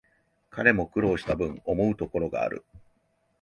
彼も苦労したぶん、思うところがある